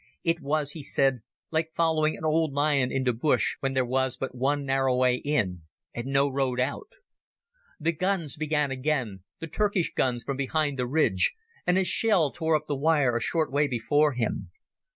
It was, he said, like following an old lion into bush when there was but one narrow way in, and no road out. The guns began again—the Turkish guns from behind the ridge—and a shell tore up the wire a short way before him.